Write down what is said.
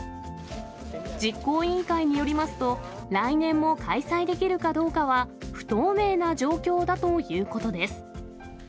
実行委員会によりますと、来年も開催できるかどうかは不透明な状況だということです。